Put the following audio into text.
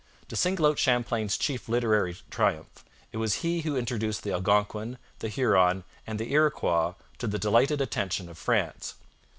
To single out Champlain's chief literary triumph, it was he who introduced the Algonquin, the Huron, and the Iroquois to the delighted attention of France.